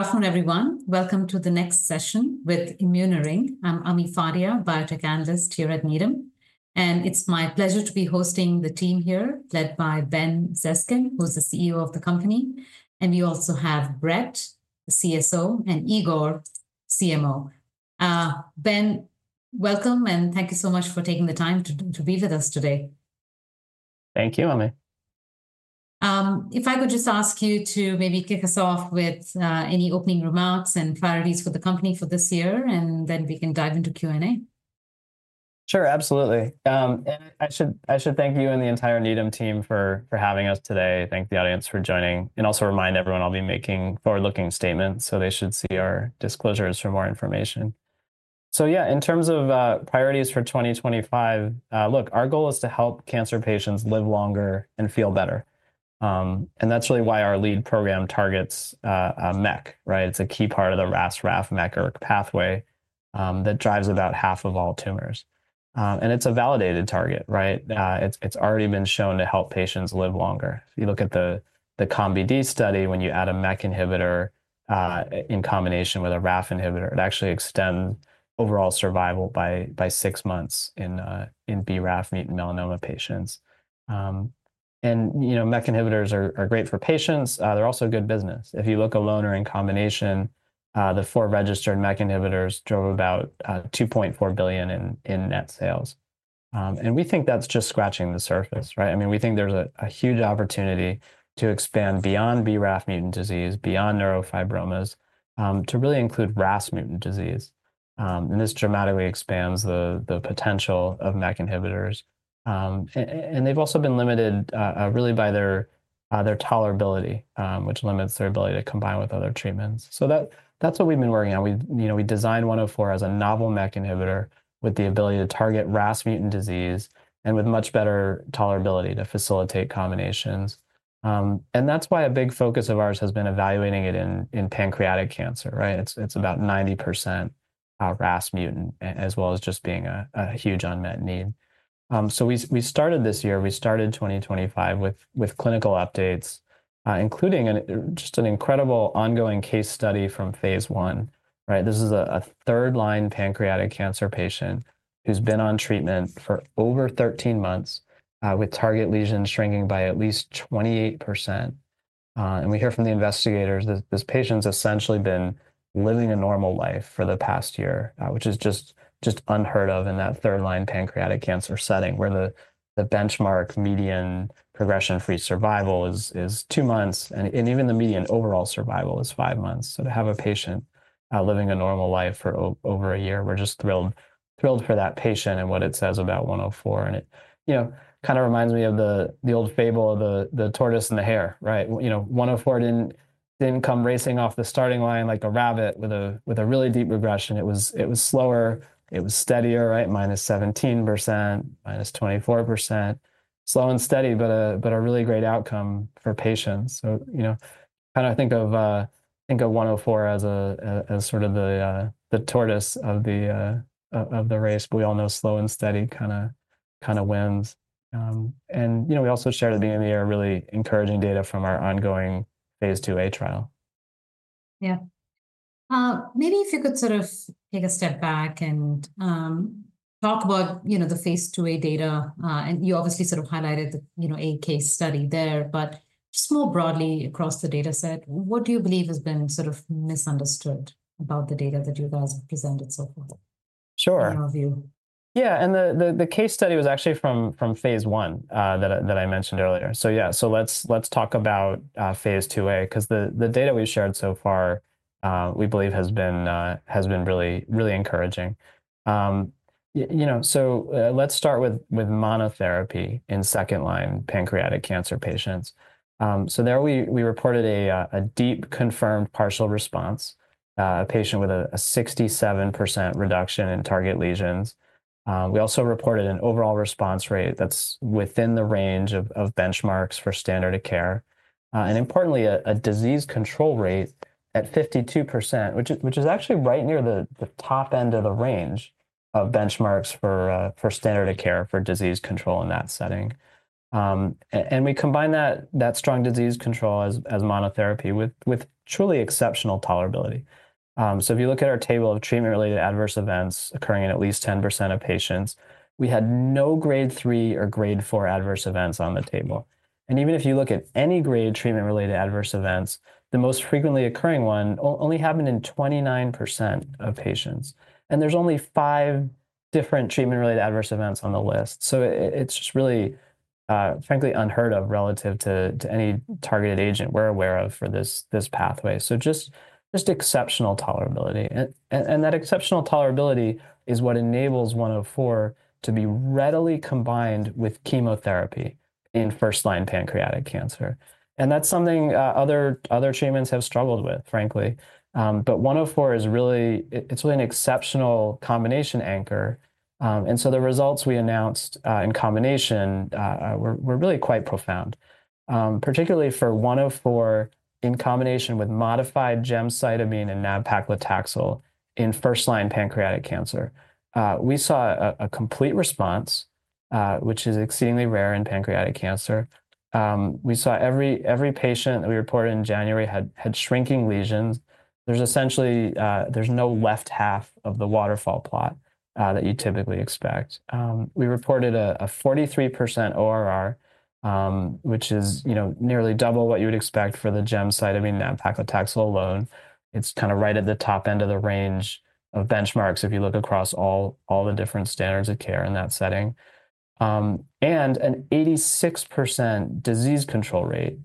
Afternoon, everyone. Welcome to the next session with Immuneering. I'm Ami Fadia, biotech analyst here at Needham and it's my pleasure to be hosting the team here, led by Ben Zeskind, who's the CEO of the company. We also have Brett, the CSO, and Igor, CMO. Ben, welcome and thank you so much for taking the time to be with us today. Thank you, Ami. If I could just ask you to maybe kick us off with any opening remarks and priorities for the company for this year and then we can dive into Q and A. Sure, absolutely. I should thank you and the entire Needham team for having us today. Thank the audience for joining and also remind everyone I'll be making forward looking statements so they should see our disclosures for more information. In terms of priorities for 2025, look, our goal is to help cancer patients live longer and feel better. That is really why our lead program targets MEK. Right? It is a key part of the RAS/RAF/MEK/ERK pathway that drives about half of all tumors. It is a validated target. It has already been shown to help patients live longer. If you look at the COMBI-d study, when you add a MEK inhibitor in combination with a RAF inhibitor, it actually extends overall survival by six months in BRAF mutant melanoma patients. MEK inhibitors are great for patients. They're also good business if you look alone or in combination. The four registered MEK inhibitors drove about $2.4 billion in net sales. We think that's just scratching the surface. We think there's a huge opportunity to expand beyond BRAF mutant disease, beyond neurofibromas, to really include RAS mutant disease. This dramatically expands the potential of MEK inhibitors. They've also been limited really by their tolerability, which limits their ability to combine with other treatments. That's what we've been working on. We designed 104 as a novel MEK inhibitor with the ability to target RAS mutant disease and with much better tolerability to facilitate combinations. That's why a big focus of ours has been evaluating it in pancreatic cancer. It's about 90% RAS mutant, as well as just being a huge unmet need. We started this year. We started 2025 with clinical updates, including just an incredible ongoing case study from phase one. This is a third line pancreatic cancer patient who's been on treatment for over 13 months, with target lesions shrinking by at least 28%. We hear from the investigators that this patient’s essentially been living a normal life for the past year, which is just unheard of in that third line pancreatic cancer setting where the benchmark median progression-free survival is 2 months and even the median overall survival is 5 months. To have a patient living a normal life for over a year, we're just thrilled for that patient and what it says about 104, and it reminds me of the old fable of the tortoise and the hare. 104 didn't then come racing off the starting line like a rabbit with a really deep regression. It was slower, it was steadier. Minus 17%, minus 24%. Slow and steady, but a really great outcome for patients. Think of 104 as the tortoise of the race. We all know slow and steady wins. We also shared at the end of the year really encouraging data from our ongoing phase 2a trial. Yeah, maybe if you could sort of take a step back and talk about, you know, the phase 2a data and you obviously sort of highlighted the, you know, a case study there. Just more broadly across the data set, what do you believe has been sort of misunderstood about the data that you guys presented so far? Sure, yeah. The case study was actually from phase one that I mentioned earlier. Yeah, let's talk about phase two A because the data we've shared, we believe, has been really, really encouraging. Let's start with monotherapy in second line pancreatic cancer patients. There we reported a deep confirmed partial response, a patient with a 67% reduction in target lesions. We also reported an overall response rate that's within the range of benchmarks for standard of care and, importantly, a disease control rate at 52%, which is actually right near the top end of the range of benchmarks for standard of care for disease control in that setting. We combine that strong disease control as monotherapy with truly exceptional tolerability. If you look at our table of treatment related adverse events occurring in at least 10% of patients, we had no grade 3 or grade 4 adverse events on the table. Even if you look at any grade treatment related adverse events, the most frequently occurring one only happened in 29% of patients. And there's only five different treatment related adverse events on the list. It is just really frankly unheard of relative to any targeted agent we're aware of for this pathway. Just exceptional tolerability. That exceptional tolerability is what enables 104 to be readily combined with chemotherapy in first line pancreatic cancer. That is something other treatments have struggled with, frankly. 104 is really an exceptional combination anchor. The results we announced in combination were really quite profound, particularly for 104 in combination with modified Gemcitabine and Nab-Paclitaxel. In first line pancreatic cancer, we saw a complete response, which is exceedingly rare in pancreatic cancer. We saw every patient that we reported in January had shrinking lesions. There is essentially, there is no left half of the waterfall plot that you typically expect. We reported a 43% ORR, which is nearly double what you would expect for the Gemcitabine + Nab-Paclitaxel alone. It is kind of right at the top end of the range of benchmarks. If you look across all the different standards of care in that setting and an 86% disease control rate,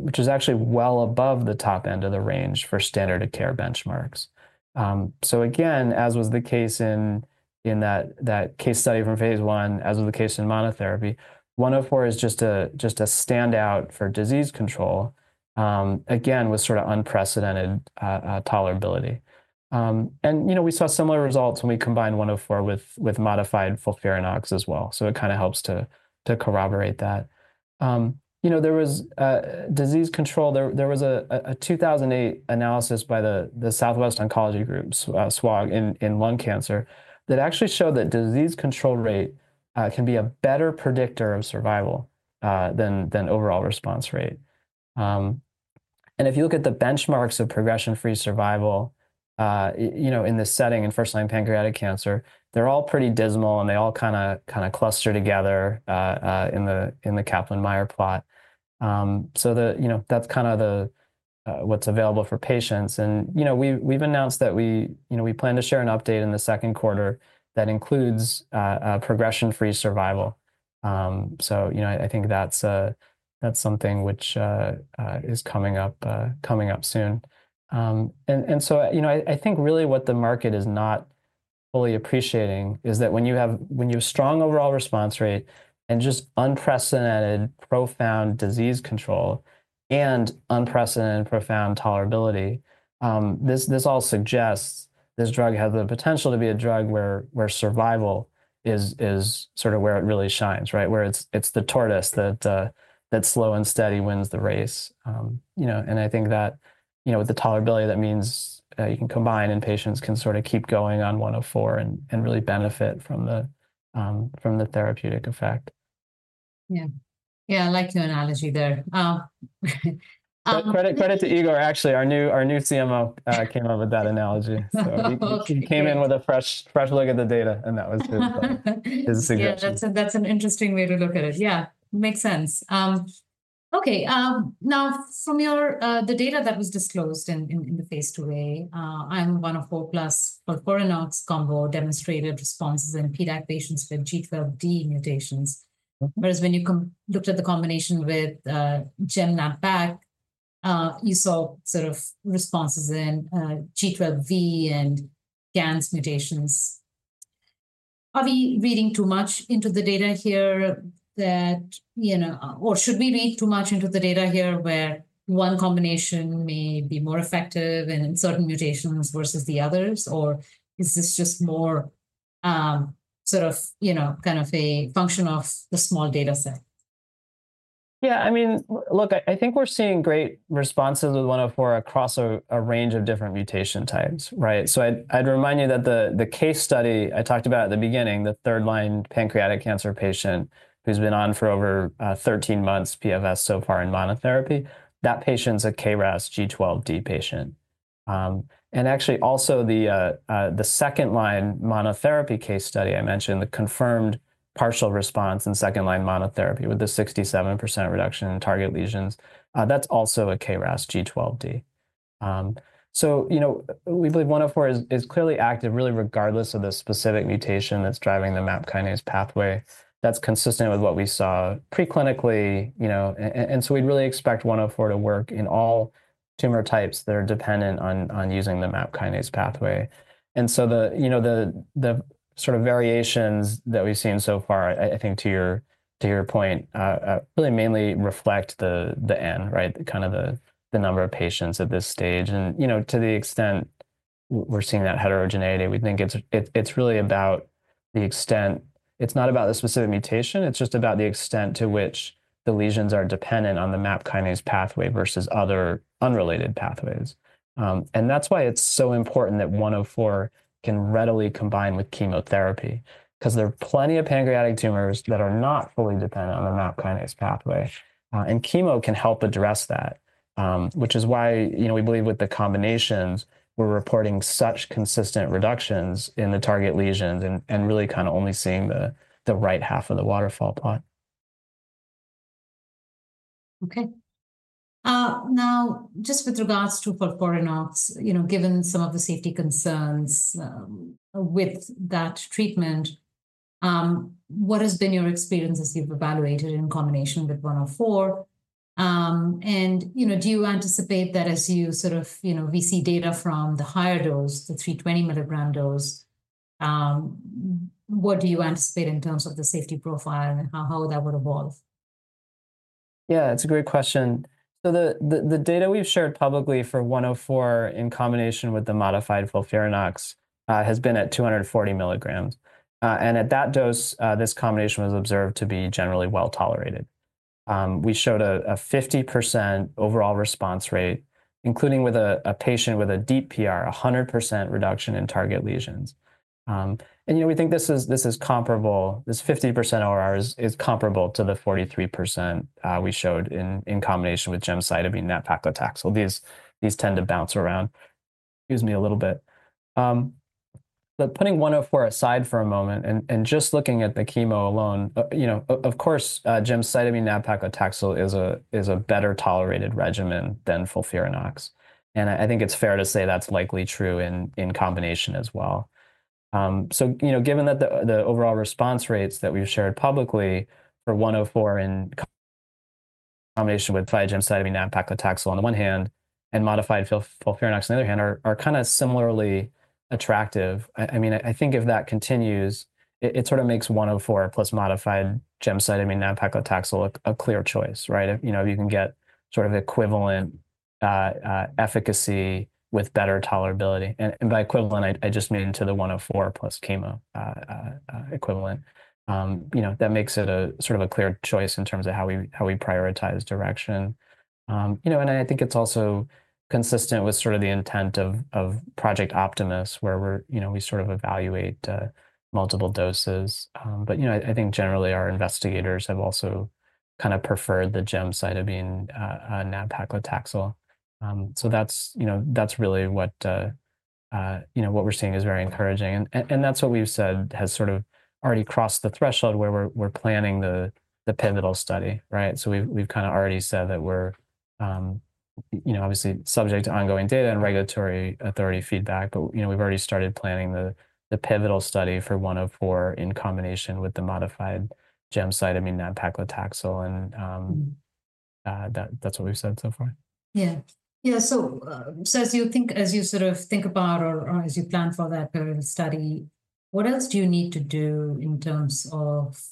which is actually well above the top end of the range for standard of care benchmarks. Again, as was the case in that case study from phase one, as was the case in monotherapy, 104 is just a standout for disease control, again with unprecedented tolerability. We saw similar results when we combined 104 with modified FOLFIRINOX as well. It helps to corroborate that there was disease control. There was a 2008 analysis by the Southwest Oncology Group SWOG in lung cancer that actually showed that disease control rate can be a better predictor of survival than overall response rate. If you look at the benchmarks of progression-free survival in this setting in first-line pancreatic cancer, they're all pretty dismal and they all cluster together in the Kaplan-Meier plot. That's what's available for patients. We've announced that we plan to share an update in the second quarter that includes progression-free survival. I think that's something which is coming up soon. I think really what the market is not fully appreciating is that when you have strong overall response rate and just unprecedented profound disease control and unprecedented profound tolerability, this all suggests this drug has the potential to be a drug where survival is where it really shines, where it's the tortoise that slow and steady wins the race. I think that with the tolerability that means you can combine and patients can keep going on 104 and really benefit from the therapeutic effect. Yeah, I like your analogy there. Credit to Igor. Actually, our new CMO came up with that analogy. He came in with a fresh look at the data and that was his suggestion. That's an interesting, interesting way to look at it. Yeah. Makes sense. Okay, now from your, the data that was disclosed in the phase 2a, IMM-1-104 plus combo demonstrated responses in PDAC patients with G12D mutations. Whereas when you looked at the combination with Gem/Nab, you saw sort of responses in G12V and cancer mutations. Are we reading too much into the data here or should we read too much into the data here where one combination may be more effective in certain mutations versus the others, or is this just more sort of a function of the small data set? Yeah, I mean, look, I think we're seeing great responses with 104 across a range of different mutation types. Right. I'd remind you that the case study I talked about at the beginning, the third pancreatic cancer patient who's been on for over 13 months PFS so far in monotherapy, that patient's a KRAS G12D patient. Actually, also the second line monotherapy case study, I mentioned the confirmed partial response in second line monotherapy with the 67% reduction in target lesions, that's also a KRAS G12D. We believe 104 is clearly active, really, regardless of the specific mutation that's driving the MAP kinase pathway. That's consistent with what we saw preclinically. We'd really expect 104 to work in all tumor types that are dependent on using the MAP kinase pathway. The variations that we've seen so far, I think to your point, really mainly reflect the N, right, kind of the number of patients at this stage. To the extent we're seeing that heterogeneity, we think it's really about the extent. It's not about the specific mutation, it's just about the extent to which the lesions are dependent on the MAP kinase pathway versus other unrelated pathways. That's why it's so important that 104 can readily combine with chemotherapy because there are plenty of pancreatic tumors that are not fully dependent on the MAP kinase pathway. Chemo can help address that, which is why we believe with the combinations we're reporting such consistent reductions in the target lesions and really kind of only seeing the right half of the waterfall plot. Okay, now just with regards to, you know, given some of the safety concerns with that treatment, what has been your experience as you've evaluated in combination with 104 and, you know, do you anticipate that as you sort of, you know, we see data from the higher dose, the 320 mg randos, what do you anticipate in terms of the safety profile and how that would evolve. Yeah, that's a great question. The data we've shared publicly for 104 in combination with the modified FOLFIRINOX has been at 240 milligrams. At that dose, this combination was observed to be generally well tolerated. We showed a 50% overall response rate, including with a patient with a deep PR, 100% reduction in target lesions. We think this is comparable. This 50% ORR is comparable to the 43% we showed in combination with gemcitabine nab-paclitaxel. These tend to bounce around. Excuse me a little bit, but putting 104 aside for a moment and just looking at the chemo alone, of course, gemcitabine nab-paclitaxel is a better tolerated regimen than FOLFIRINOX, and I think it's fair to say that's likely true in combination as well. Given that the overall response rates that we've shared publicly for 104 in combination with Gemcitabine and Nab-Paclitaxel on the one hand and modified FOLFIRINOX on the other hand are kind of similarly attractive, I mean, I think if that continues, it sort of makes 104 plus modified Gemcitabine, I mean, nab paclitaxel a clear choice. Right. If you can get sort of equivalent efficacy with better tolerability. And by equivalent, I just mean to the 104 plus chemo equivalent, that makes it sort of a clear choice in terms of how we prioritize direction. I think it's also consistent with the intent of Project Optimus, where we evaluate multiple doses. I think generally our investigators have also kind of preferred the Gemcitabine nab paclitaxel. That's really what we're seeing is very encouraging. That is what we've said has sort of already crossed the threshold where we're planning the pivotal study. Right. We've kind of already said that we're obviously subject to ongoing data and regulatory authority feedback, but we've already started planning the pivotal study for 104 in combination with the modified Gemcitabine + Nab-Paclitaxel. That is what we've said so far. Yeah, yeah. As you think, as you sort of think about or as you plan for that study, what else do you need to do in terms of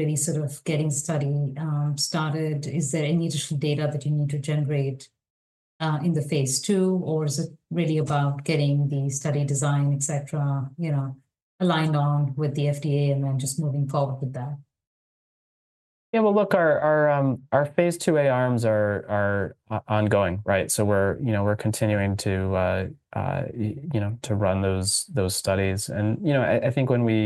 really sort of getting study started? Is there any additional data that you need to generate in the phase two, or is it really about getting the study design, et cetera, you know, aligned on with the FDA and then just moving forward with that. Yeah, look, our phase 2a arms are ongoing. Right. We're continuing to run those studies and I think when we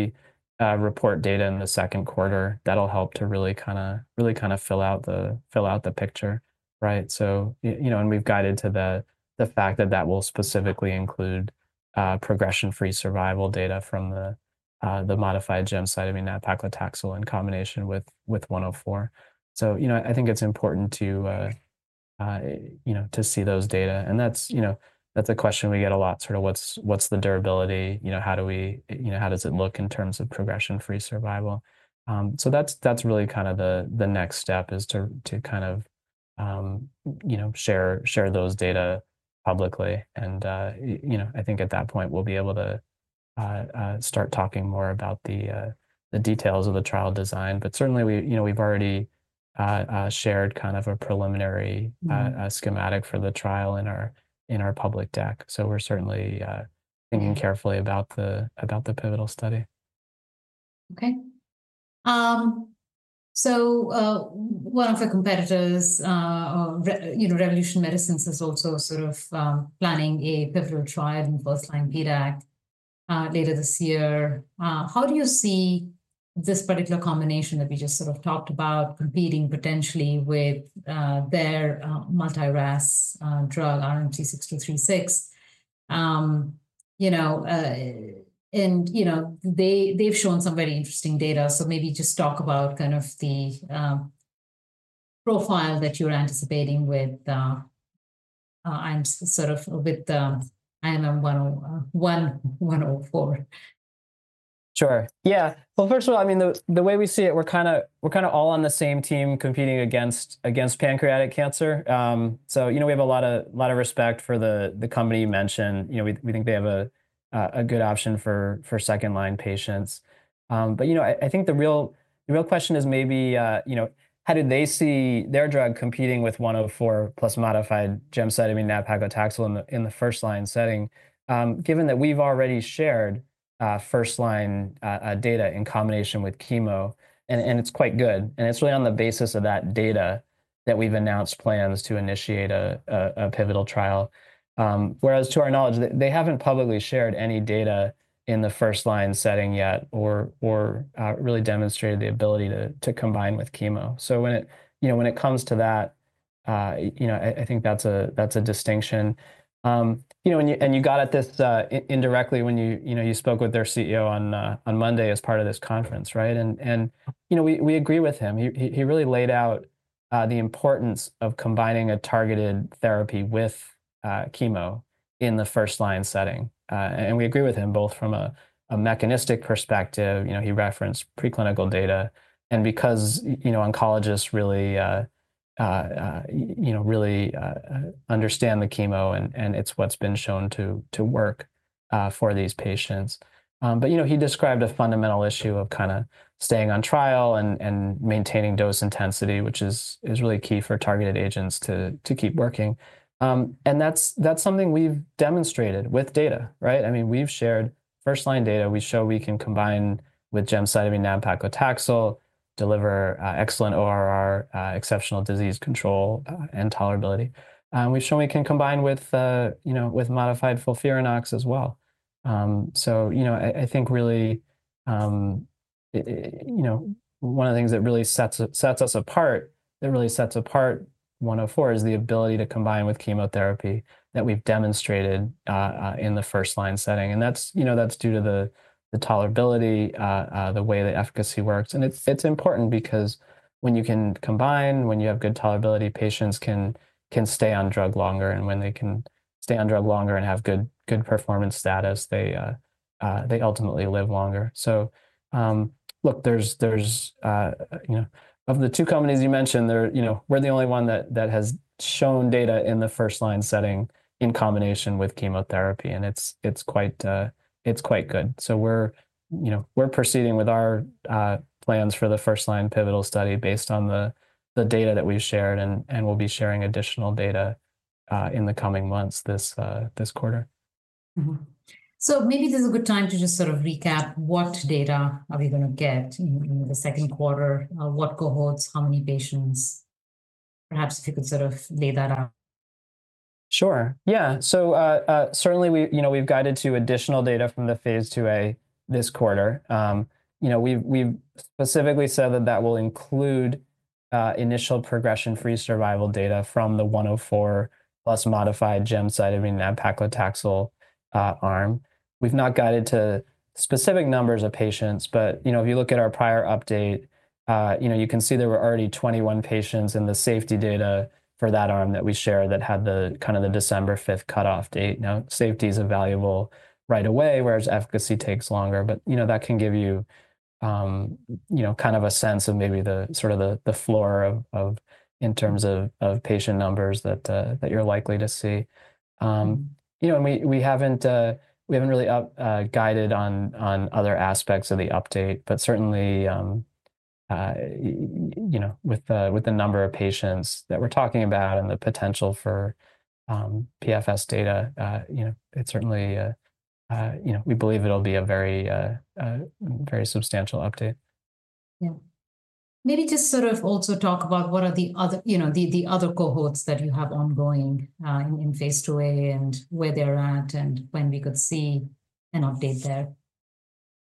report data in the second quarter, that'll help to really kind of fill out the picture. Right. We've guided to the fact that that will specifically include progression-free survival data from the modified Gemcitabine + Nab-Paclitaxel in combination with 104. I think it's important to see those data. That's a question we get a lot. What's the durability? How does it look in terms of progression-free survival? That's really the next step, to share those data publicly and I think at that point we'll be able to start talking more about the details of the trial design. Certainly we've already shared kind of a preliminary schematic for the trial in our public deck. We're certainly thinking carefully about the pivotal study. Okay. One of our competitors, Revolution Medicines, is also sort of planning a pivotal trial in first-line PDAC later this year. How do you see this particular combination that we just sort of talked about competing potentially with their multi-RAS drug RMC-6236? You know, and you know, they've shown some very interesting data. Maybe just talk about kind of the profile that you're anticipating with, I'm sort of with IMM-1-104. Sure. Yeah. First of all, I mean the way we see it, we're kind of all on the same team competing against pancreatic cancer. We have a lot of respect for the company you mentioned. We think they have a good option for second line patients. I think the real question is maybe how did they see their drug competing with 104 plus modified Gemcitabine + Nab-Paclitaxel in the first line setting. Given that we've already shared first line data in combination with chemo and it's quite good and it's really on the basis of that data that we've announced plans to initiate a pivotal trial. Whereas to our knowledge they haven't publicly shared any data in the first line setting yet or really demonstrated the ability to combine with chemo. When it comes to that, I think that's a distinction. You got at this indirectly when you spoke with their CEO on Monday as part of this conference and we agree with him. He really laid out the importance of combining a targeted therapy with chemo in the first line setting. We agree with him both from a mechanistic perspective. He referenced preclinical data and because oncologists really understand the chemo and it's what's been shown to work for these patients. He described a fundamental issue of staying on trial and maintaining dose intensity, which is really key for targeted agents to keep working. That's something we've demonstrated with data. I mean, we've shared first line data. We show we can combine with gemcitabine nab-paclitaxel, deliver excellent ORR, exceptional disease control and tolerability. We've shown we can combine with modified FOLFIRINOX as well. I think really one of the things that really sets us apart, that really sets apart 104 is the ability to combine with chemotherapy that we've demonstrated in the first line setting. That's due to the tolerability, the way the efficacy works. It's important because when you can combine, when you have good tolerability, patients can stay on drug longer. When they can stay on drug longer and have good performance status, they ultimately live longer. Look, of the two companies you mentioned, we're the only one that has shown data in the first line setting in combination with chemotherapy. It's quite good. We're proceeding with our plans for the first line pivotal study based on the data that we shared. We'll be sharing additional data in the coming months this quarter. Maybe this is a good time to just sort of recap what data are we going to get in the second quarter, what cohorts, how many patients? Perhaps if you could sort of lay that out. Sure. Yeah. Certainly we've guided to additional data from the phase 2a this quarter. We've specifically said that that will include initial progression-free survival data from the 104 plus modified Gemcitabine + Nab-Paclitaxel side of the paclitaxel arm. We've not guided to specific numbers of patients, but if you look at our prior update, you can see there were already 21 patients in the safety data for that arm that we shared that had the December 5th cutoff date. Now, safety is available right away, whereas efficacy takes longer. That can give you a sense of maybe the floor in terms of patient numbers that you're likely to see. We haven't really guided on other aspects of the update, but certainly with the number of patients that we're talking about and the potential for PFS data, we believe it'll be a very substantial update. Yeah. Maybe just sort of also talk about what are the other, you know, the other cohorts that you have ongoing in phase 2A and where they're at and when we could see an update there.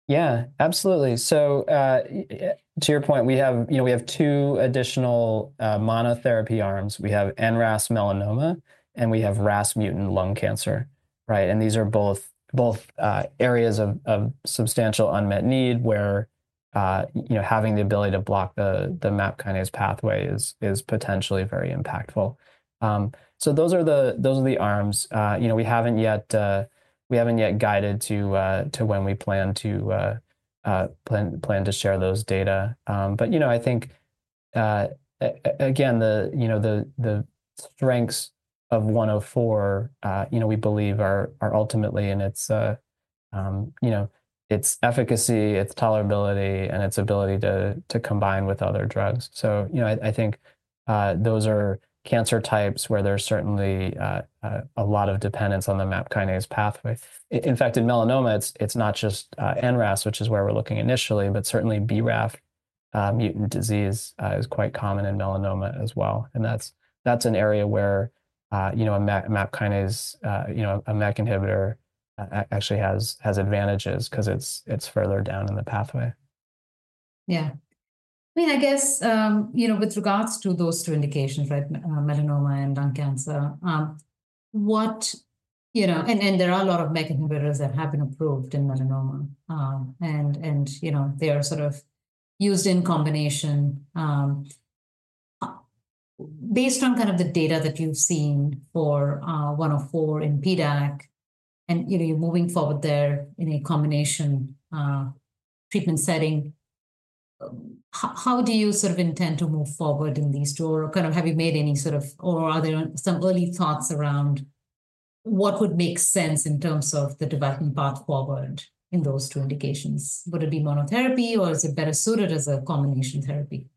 Yeah, absolutely. To your point, we have, you know, we have two additional monotherapy arms. We have NRAS melanoma, and we have RAS mutant lung cancer. Right. These are both areas of substantial unmet need where having the ability to block the MAP Kinase pathway is potentially very impactful. Those are the arms we have not yet guided to when we plan to share those data. I think, again, the strengths of 104, we believe, are ultimately in its efficacy, its tolerability, and its ability to combine with other drugs. I think those are cancer types where there is certainly a lot of dependence on the MAP Kinase pathway. In fact, in melanoma, it is not just NRAS, which is where we are looking initially, but certainly BRAF mutant disease is quite common in melanoma as well. That's an area where, you know, a MAP Kinase, you know, a MEK inhibitor actually has advantages because it's further down in the pathway. Yeah, I mean, I guess, you know, with regards to those two indications like melanoma and lung cancer, what, you know, and there are a lot of MEK inhibitors that have been approved in melanoma and, you know, they are sort of used in combination based on kind of the data that you've seen for 104 in PDAC and you're moving forward there in a combination treatment setting. How do you intend to move forward in these two, or have you made any sort of. Or are there some early thoughts around what would make sense in terms of the development path forward in those two indications? Would it be monotherapy or is it better suited as a combination therapy?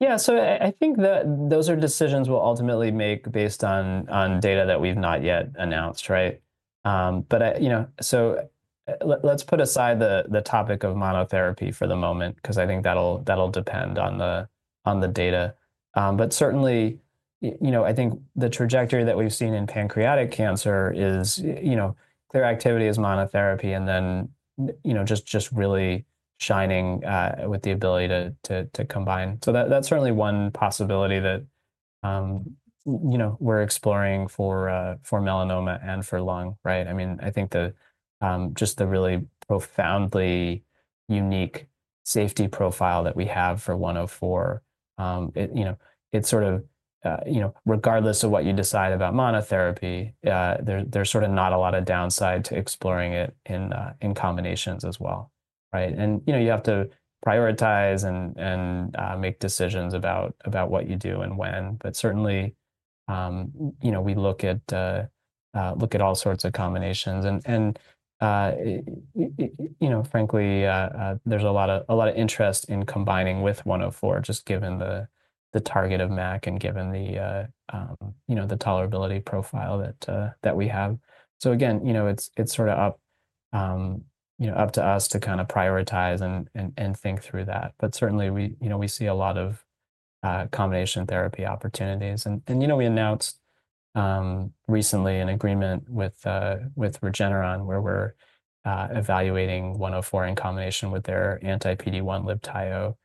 Yeah, I think that those are decisions we'll ultimately make based on data that we've not yet announced. Right. Let's put aside the topic of monotherapy for the moment because I think that'll depend on the data. Certainly I think the trajectory that we've seen in pancreatic cancer is clear. Activity is monotherapy and then, you know, just really shining with the ability to combine. That's certainly one possibility that, you know, we're exploring for melanoma and for lung. Right. I mean, I think the just the really profoundly unique safety profile that we have for 104, you know, it's sort of, you know, regardless of what you decide about monotherapy. There's sort of not a lot of downside to exploring it in combinations as well. You have to prioritize and make decisions about what you do and when. Certainly we look at all sorts of combinations and frankly, there's a lot of interest in combining with 104, just given the target of MAPK and given the tolerability profile that we have. Again, it's sort of up to us to kind of prioritize and think through that. Certainly we see a lot of combination therapy opportunities. We announced recently an agreement with Regeneron where we're evaluating 104 in combination with their anti-PD1 Libtayo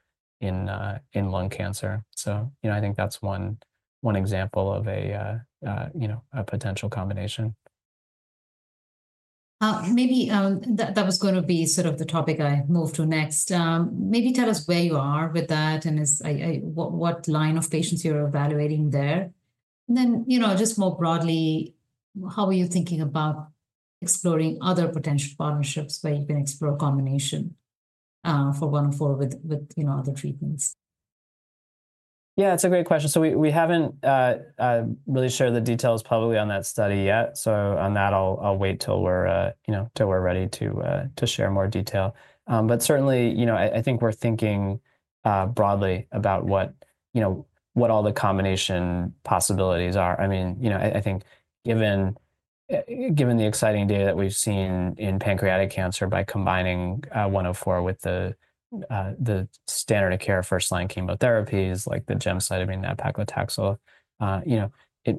in lung cancer. I think that's one example of a, you know, a potential combination. Maybe that was going to be sort of the topic I moved to next. Maybe tell us where you are with that and is what line of patients you're evaluating there. And then, you know, just more broadly, how are you thinking about exploring other potential partnerships where you can explore a combination for 104 with, you know, other treatments? Yeah, it's a great question. We haven't really shared the details publicly on that study yet. On that, I'll wait till we're ready to share more detail. Certainly I think we're thinking broadly about what all the combination possibilities are. I think given the exciting data that we've seen in pancreatic cancer, by combining 104 with the standard of care first line chemotherapies like the Gemcitabine and Nab-Paclitaxel,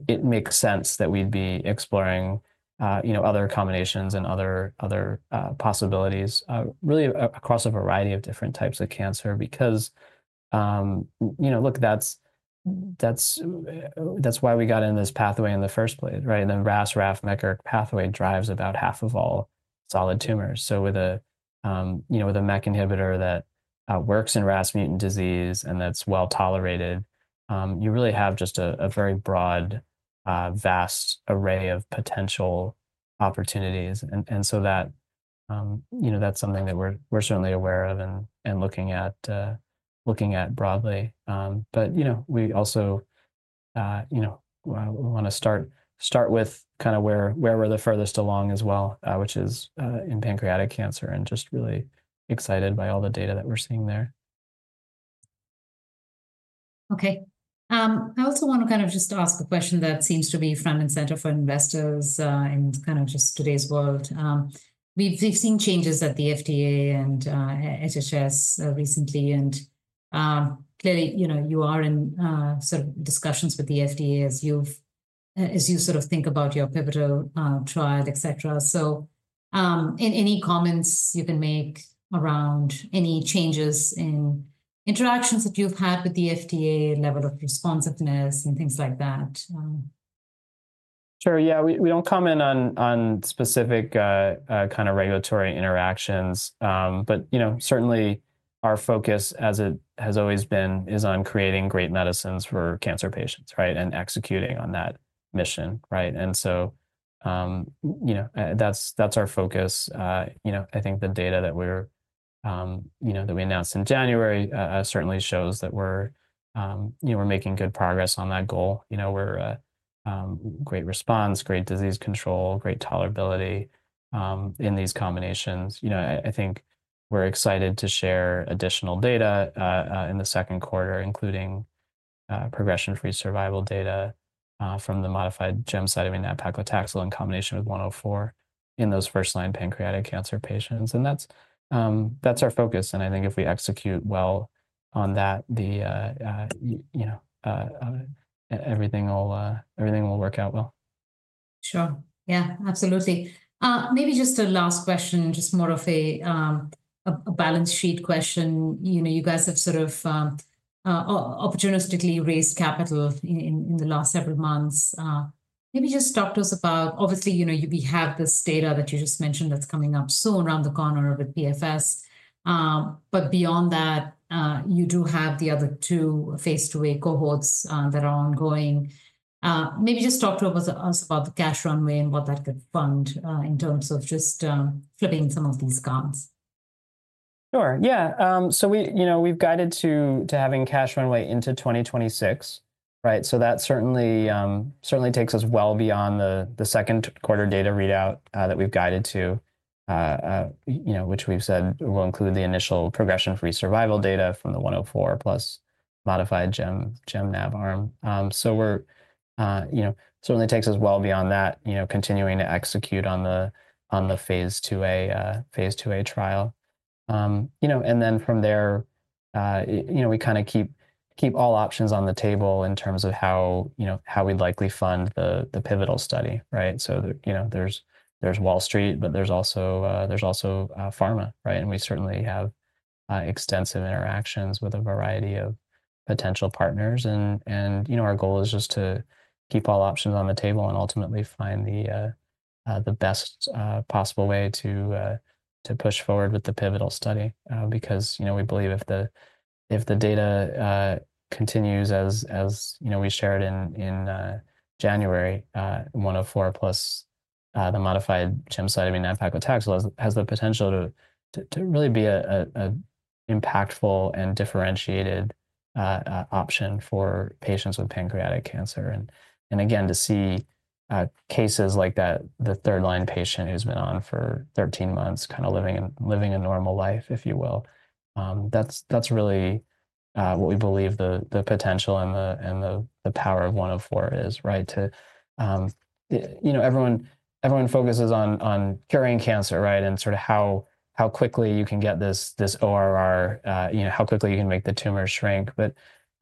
it makes sense that we'd be exploring other combinations and other possibilities really across a variety of different types of cancer. Because look, that's why we got in this pathway in the first place. The RAS/RAF/MEK/ERK pathway drives about half of all solid tumors. With a MEK inhibitor that works in RAS mutant disease and that's well tolerated, you really have just a very broad, vast array of potential opportunities. That is something that we're certainly aware of and looking at broadly, but we also want to start with kind of where we're the furthest along as well, which is in pancreatic cancer and just really excited by all the data that we're seeing there. Okay, I also want to kind of just ask a question that seems to be front and center for investors in kind of just today's world. We've seen changes at the FDA and HHS recently and clearly, you know, you are in sort of discussions with the FDA as you've, as you sort of think about your pivotal trial, et cetera. Any comments you can make around any changes in interactions that you've had with the FDA level of responsiveness and things like that. Sure, yeah. We do not comment on specific kind of regulatory interactions, but certainly our focus as it has always been is on creating great medicines for cancer patients. Right. And executing on that mission. Right. You know, that is our focus. You know, I think the data that we announced in January certainly shows that we are making good progress on that goal. You know, great response, great disease control, great tolerability in these combinations. You know, I think we are excited to share additional data in the second quarter including progression free survival data from the modified Gemcitabine + Nab-Paclitaxel in combination with 104 in those first line pancreatic cancer patients. That is our focus and I think if we execute well on that, everything will work out well. Sure, yeah, absolutely. Maybe just a last question, just more of a balance sheet question. You guys have sort of opportunistically raised capital in the last several months. Maybe just talk to us about, obviously, you know, we have this data that you just mentioned that's coming up soon around the corner with PFS. Beyond that you do have the other two phase 2a cohorts that are ongoing. Maybe just talk to us about the cash runway and what that could fund in terms of just flipping some of these cards. Sure, yeah. We, you know, we've guided to having cash runway into 2026. Right. That certainly, certainly takes us well beyond the second quarter data readout that we've guided to, you know, which we've said will include the initial progression-free survival data from the 104 plus modified Gem/Nab-Paclitaxel arm. We, you know, certainly, that takes us well beyond that, you know, continuing to execute on the phase 2a trial and then from there we kind of keep all options on the table in terms of how we'd likely fund the pivotal study. There's Wall Street, but there's also pharma and we certainly have extensive interactions with a variety of potential partners. Our goal is just to keep all options on the table and ultimately find the best possible way to push forward with the pivotal study. Because we believe if the data continues as we shared in January, 104 plus the modified Gemcitabine + Nab-Paclitaxel has the potential to really be an impactful and differentiated option for patients with pancreatic cancer. Again, to see cases like that, the third line patient who's been on for 13 months, living a normal life, if you will, that's really what we believe the potential and the power of 104 is. Everyone focuses on curing cancer and how quickly you can get this ORR, how quickly you can make the tumor shrink.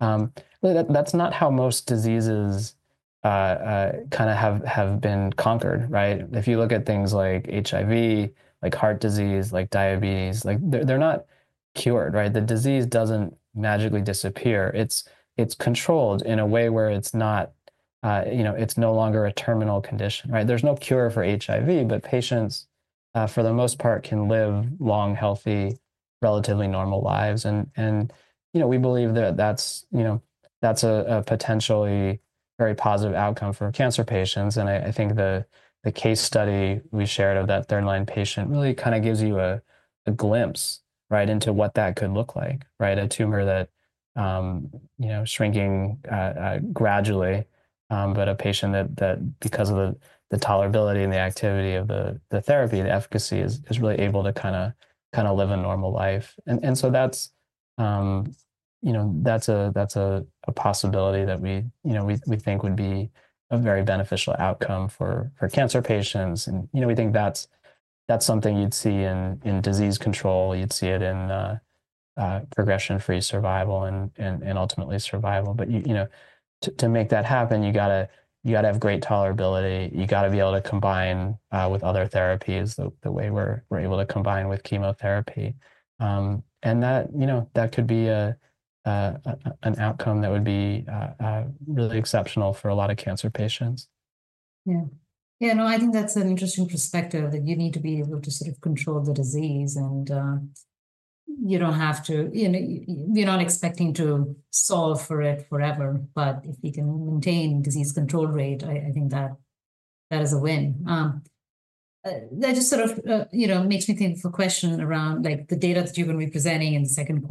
That's not how most diseases have been conquered. If you look at things like HIV, like heart disease, like diabetes, they're not cured. The disease doesn't magically disappear. It's controlled in a way where it's no longer a terminal condition. There's no cure for HIV, but patients for the most part can live long, healthy, relatively normal lives. We believe that that's a potentially very positive outcome for cancer patients. I think the case study we shared of that third line patient really gives you a glimpse into what that could look like, a tumor that's shrinking gradually, but a patient that, because of the tolerability and the activity of the therapy and efficacy, is really able to kind of live a normal life. That's, you know, that's a possibility that we, you know, we think would be a very beneficial outcome for cancer patients. You know, we think that's something you'd see in disease control. You'd see it in progression free survival and ultimately survival. You know, to make that happen, you got to have great tolerability. You got to be able to combine with other therapies the way we're able to combine with chemotherapy, and that, you know, that could be an outcome that would be really exceptional for a lot of cancer patients. Yeah, yeah. No, I think that's an interesting perspective that you need to be able to sort of control the disease and you don't have to, you know, we are not expecting to solve for it forever, but if we can maintain disease control rate, I think that is a win. That just sort of, you know, makes me think of a question around like the data that you're going to be presenting in the second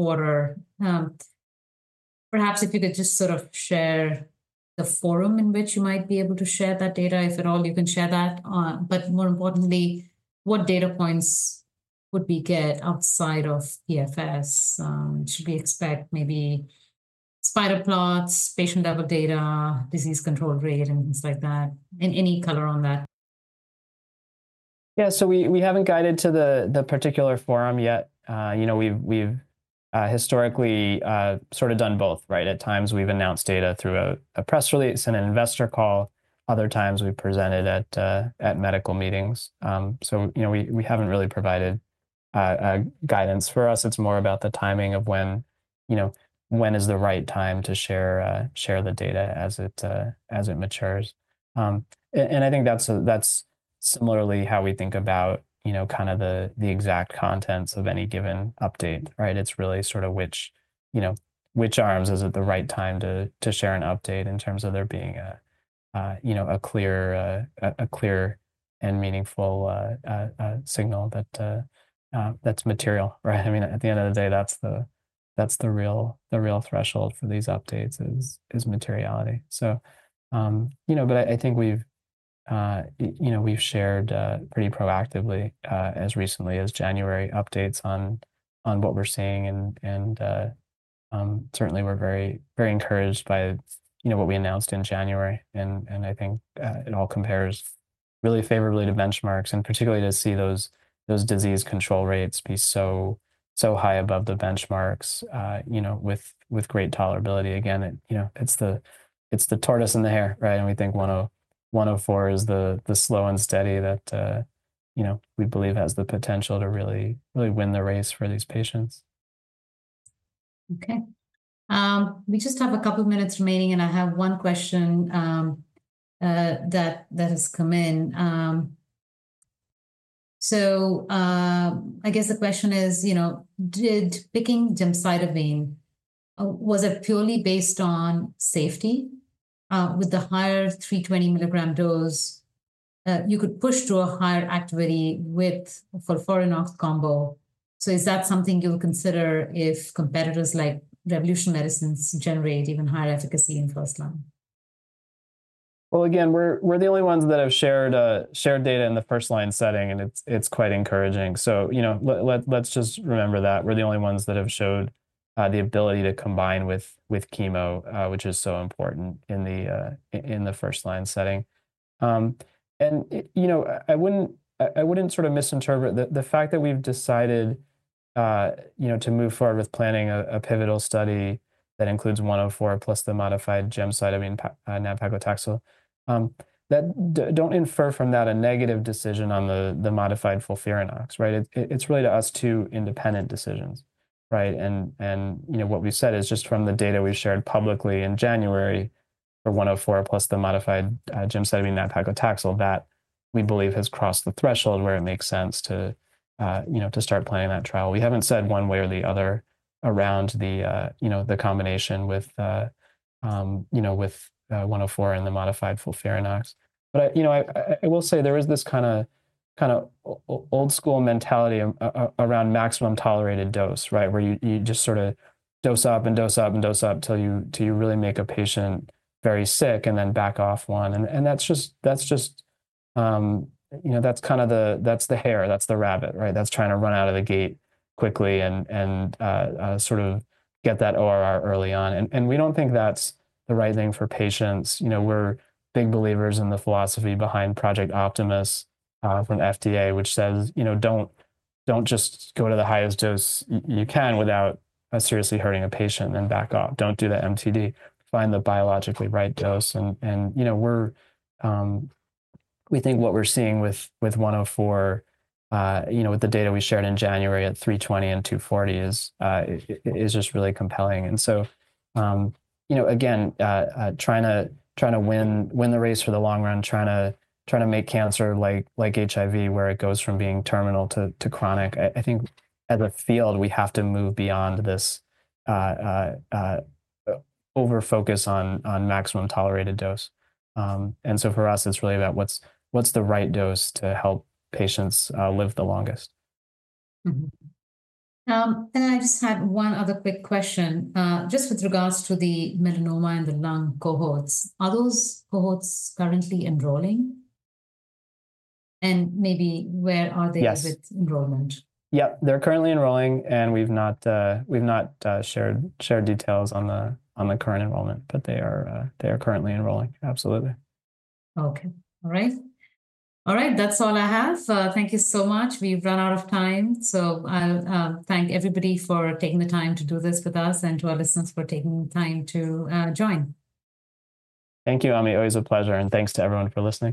quarter. Perhaps if you could just sort of share the forum in which you might be able to share that data, if at all, you can share that. More importantly, what data points would we get outside of EFS, should we expect maybe spider plots, patient level data, disease control rate and things like that, and any color on that? Yeah, so we haven't guided to the particular forum yet. You know, we've historically sort of done both, right? At times we've announced data through a press release and an investor call. Other times we presented at medical meetings. You know, we haven't really provided guidance. For us, it's more about the timing of when, you know, when is the right time to share, share the data as it matures. I think that's similarly how we think about the exact contents of any given update. It's really sort of which arms is at the right time to share an update in terms of there being a clear and meaningful signal that's material. At the end of the day, that's the real threshold for these updates is, is materiality. You know, I think we've, you know, we've shared pretty proactively as recently as January updates on what we're seeing. Certainly we're very, very encouraged by, you know, what we announced in January. I think it all compares really favorably to benchmarks and particularly to see those disease control rates be so, so high above the benchmarks, you know, with great tolerability. Again, you know, it's the tortoise in the hare, right? We think 104 is the slow and steady that, you know, we believe has the potential to really, really win the race for these patients. Okay, we just have a couple of minutes remaining and I have one question that has come in. I guess the question is, you know, did picking gemcitabine, was it purely based on safety? With the higher 320 milligram dose, you could push to a higher activity width for combo. Is that something you'll consider if competitors like Revolution Medicines generate even higher efficacy in first line? Again, we're the only ones that have shared data in the first line setting and it's quite encouraging. Let's just remember that we're the only ones that have showed the ability to combine with chemo, which is so important in the first line setting. I wouldn't misinterpret the fact that we've decided to move forward with planning a pivotal study that includes 104 plus the modified Gemcitabine + Nab-Paclitaxel. Don't infer from that a negative decision on the modified FOLFIRINOX. It's really to us, two independent decisions. Right. What we've said is just from the data we've shared publicly in January for 104 plus the modified Gemcitabine + Nab-Paclitaxel that we believe has crossed the threshold where it makes sense to start planning that trial. We haven't said one way or the other around the combination with 104 and the modified FOLFIRINOX, but I will say there is this kind of, kind of old school mentality around maximum tolerated dose, right, where you just sort of dose up and dose up and dose up till you do you really make a patient very sick and then back off one. That's just, you know, that's kind of the, that's the hare, that's the rabbit, right? That's trying to run out of the gate quickly and sort of get that ORR early on. We don't think that's the right thing for patients. You know, we're big believers in the philosophy behind Project Optimus from FDA, which says, you know, don't, don't just go to the highest dose you can without seriously hurting a patient and back off. Don't do the MTD, find the biologically right dose. You know, we think what we're seeing with 104, you know, with the data we shared in January at 320 and 240 is just really compelling. Again, trying to win the race for the long run, trying to make cancer like HIV, where it goes from being terminal to chronic. I think as a field we have to move beyond this over focus on maximum tolerated dose. For us, it's really about what's the right dose to help patients live the longest. I just had one other quick question just with regards to the melanoma and the lung cohorts, are those cohorts currently enrolling and maybe where are they with enrollment? Yep, they're currently enrolling. We've not shared details on the current enrollment, but they are currently enrolling. Absolutely. Okay. All right, all right. That's all I have. Thank you so much. We've run out of time, so I'll thank everybody for taking the time to do this with us and to our listeners for taking time to join. Thank you, Ami, always a pleasure, and thanks to everyone for listening.